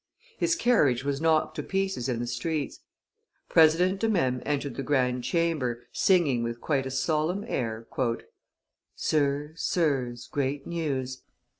His carriage was knocked to pieces in the streets. President de Mesmes entered the Grand Chamber, singing with quite a solemn air, "Sirs, sirs, great news!